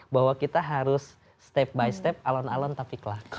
bahwa kita harus step by step alon alon tapi kelak